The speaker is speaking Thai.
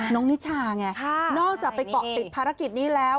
นิชาไงนอกจากไปเกาะติดภารกิจนี้แล้ว